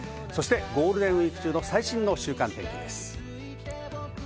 ゴールデンウィーク中の最新の週間天気です。